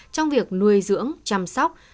trong việc nuôi dưỡng chăm sóc